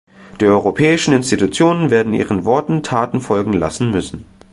Die Europäischen Institutionen werden ihren Worten Taten folgen lassen müssen.